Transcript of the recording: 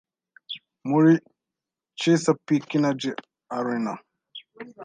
muri Chesapeake Energy Arena